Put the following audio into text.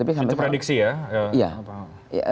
itu prediksi ya